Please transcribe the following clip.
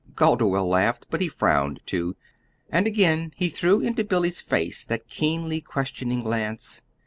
Calderwell laughed, but he frowned, too; and again he threw into Billy's face that keenly questioning glance.